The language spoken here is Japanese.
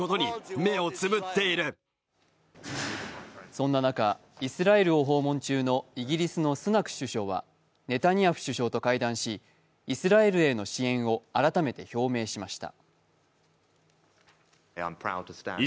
そんな中、イスラエルを訪問中のイギリスのスナク首相はネタニヤフ首相と会談しイスラエルへの支援を改めて表明しました。